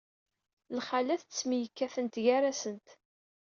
Lxalat ttemyekkatent gar-asent.